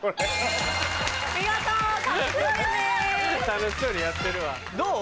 楽しそうにやってるわどう？